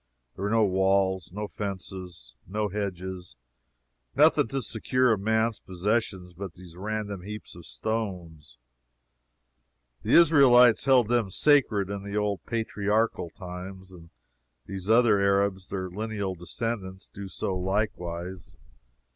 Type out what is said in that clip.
There were no walls, no fences, no hedges nothing to secure a man's possessions but these random heaps of stones. The Israelites held them sacred in the old patriarchal times, and these other Arabs, their lineal descendants, do so likewise.